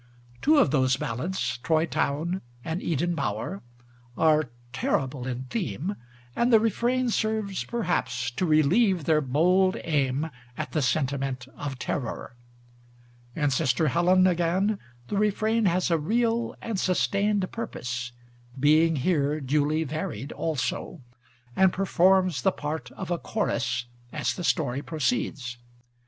Two of those ballads Troy Town and Eden Bower, are terrible in theme; and the refrain serves, perhaps, to relieve their bold aim at the sentiment of terror. In Sister Helen again, the refrain has a real, and sustained purpose (being here duly varied also) and performs the part of a chorus, as the story proceeds.